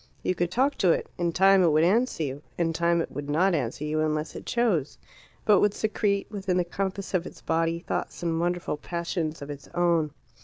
You could talk to it; in time it would answer you; in time it would not answer you unless it chose, but would secrete, within the compass of its body, thoughts and wonderful passions of its own.